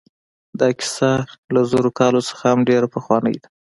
دا کیسه له زرو کالو څخه هم ډېره پخوانۍ ده.